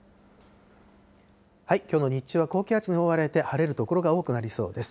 きょうの日中は高気圧に覆われて、晴れる所が多くなりそうです。